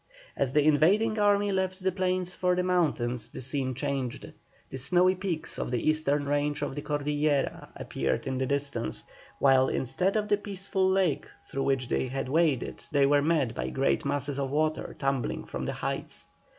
As the invading army left the plains for the mountains the scene changed. The snowy peaks of the eastern range of the Cordillera appeared in the distance, while instead of the peaceful lake through which they had waded they were met by great masses of water tumbling from the heights.